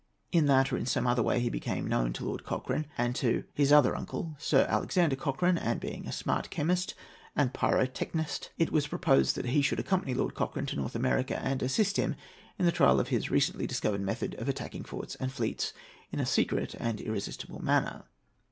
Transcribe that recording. In that or in some other way he became known to Lord Cochrane and to his other uncle, Sir Alexander Cochrane; and, being a smart chemist and pyrotechnist, it was proposed that he should accompany Lord Cochrane to North America, and assist him in the trial of his recently discovered method of attacking forts and fleets in a secret and irresistible manner.